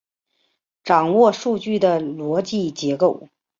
掌握数据的逻辑结构